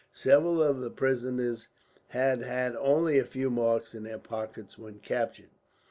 Several of the prisoners had had only a few marks in their pockets when captured.